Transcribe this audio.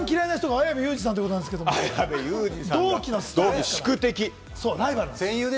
一番きらいな人が綾部祐二さんということなんですが、同期で。